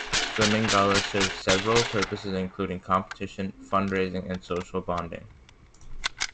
Swimming galas serve several purposes including competition, fund raising and social bonding.